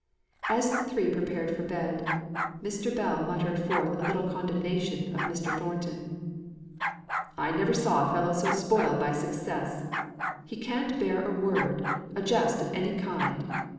As the three prepared for bed, Mr. Bell muttered a little condemnation of Mr. Thornton. "I never saw a fellow so spoiled by success. He can't bear a word; a jest of any kind.